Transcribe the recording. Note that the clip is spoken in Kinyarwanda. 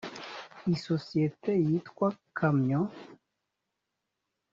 isosiyete yitwa kamyo